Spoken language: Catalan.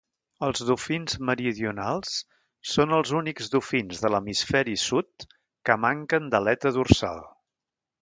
Els dofins meridionals són els únics dofins de l'hemisferi sud que manquen d'aleta dorsal.